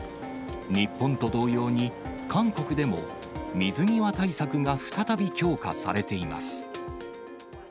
日本と同様に、韓国でも水際対策が再び強化されています。